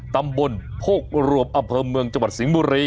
ตำบลโคกรวมอำเภอเมืองจังหวัดสิงห์บุรี